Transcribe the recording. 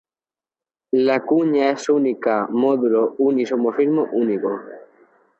La cuña es única módulo un isomorfismo único.